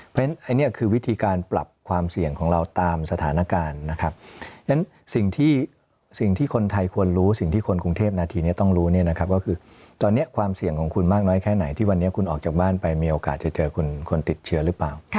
เพราะฉะนั้นอันนี้คือวิธีการปรับความเสี่ยงของเราตามสถานการณ์นะครับดังนั้นสิ่งที่สิ่งที่คนไทยควรรู้สิ่งที่คนกรุงเทพนาทีนี้ต้องรู้เนี่ยนะครับก็คือตอนนี้ความเสี่ยงของคุณมากน้อยแค่ไหนที่วันนี้คุณออกจากบ้านไปมีโอกาสจะเจอคนติดเชื้อหรือเปล่า